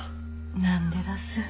何でだす？